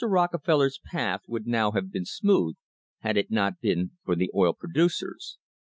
Rocke feller's path would now have been smooth had it not been for the oil producers.